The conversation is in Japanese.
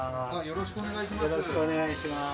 よろしくお願いします